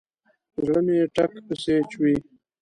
زړه مې ټک پسې چوي.